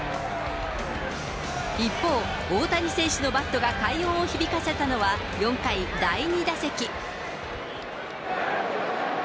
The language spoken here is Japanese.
一方、大谷選手のバットが快音を響かせたのは、４回、第２打席。